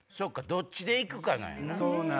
どっちで行くかなんやな。